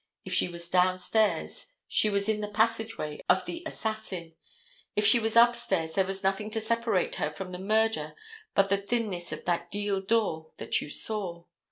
If she was downstairs she was in the passageway of the assassin. If she was upstairs there was nothing to separate her from the murder but the thinness of that deal door that you saw.